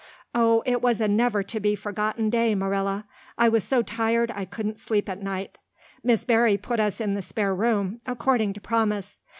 Oh, it was a never to be forgotten day, Marilla. I was so tired I couldn't sleep at night. Miss Barry put us in the spare room, according to promise.